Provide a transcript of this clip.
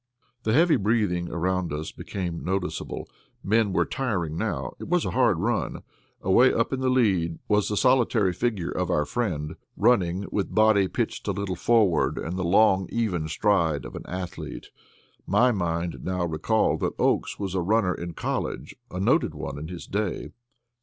The heavy breathing around us became noticeable; men were tiring now. It was a hard run. Away up in the lead was the solitary figure of our friend, running with body pitched a little forward and the long, even stride of the athlete. My mind now recalled that Oakes was a runner in college a noted one in his day.